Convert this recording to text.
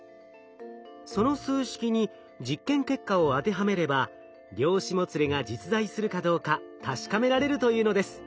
その数式に実験結果を当てはめれば量子もつれが実在するかどうか確かめられるというのです。